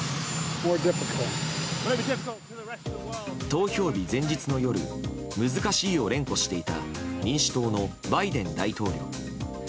投票日前日の夜難しいを連呼していた民主党のバイデン大統領。